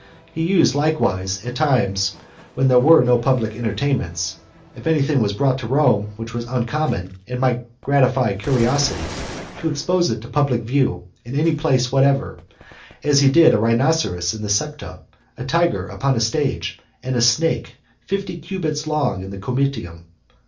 He used likewise, at times when there were no public entertainments, if any thing was brought to Rome which was uncommon, and might gratify curiosity, to expose it to public view, in any place whatever; as he did a rhinoceros in the Septa, a tiger upon a stage, and a snake fifty cubits lung in the Comitium.